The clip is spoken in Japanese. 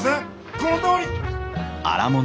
このとおり！